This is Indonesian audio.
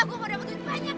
gue gak dapat duit banyak